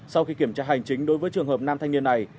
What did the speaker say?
sau khi kiểm tra hành chính đối với trường hợp nam thanh niên này